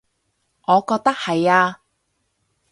我覺得係呀